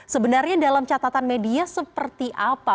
sebenarnya dalam catatan media seperti apa